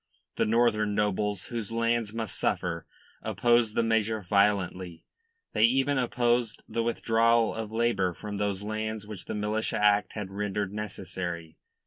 The northern nobles whose lands must suffer opposed the measure violently; they even opposed the withdrawal of labour from those lands which the Militia Act had rendered necessary.